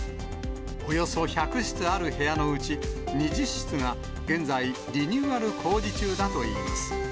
およそ１００室ある部屋のうち、２０室が現在、リニューアル工事中だといいます。